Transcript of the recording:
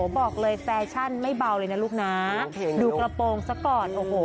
บอกเลยแฟชั่นไม่เบาเลยนะลูกนะดูกระโปรงซะก่อนโอ้โห